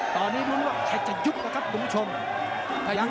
ตอนนี้มัฟว่าใครจะยุบละครับถุงงครรภาพยุคม